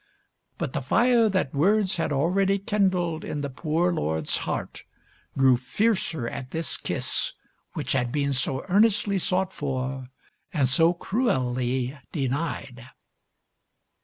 But the fire that words had already kindled in the poor lord's heart, grew fiercer at this kiss which had been so earnestly sought for and so cruelly denied.